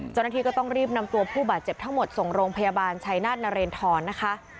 เจ้าหน้าที่ก็ต้องรีบนำตัวผู้บาดเจ็บทั้งหมดส่งโรงพยาบาลชัยนาธนเรนทรนะคะ